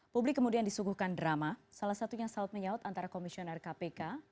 publik kemudian disuguhkan drama salah satunya saut menyaut antara komisioner kpk